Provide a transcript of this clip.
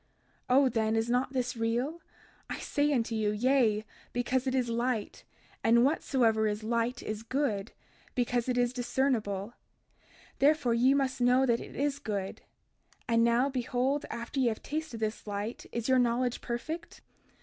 32:35 O then, is not this real? I say unto you, Yea, because it is light; and whatsoever is light, is good, because it is discernible, therefore ye must know that it is good; and now behold, after ye have tasted this light is your knowledge perfect?